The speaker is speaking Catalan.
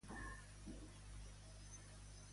Amb quin punt geogràfic solia vincular-se Mama Cocha?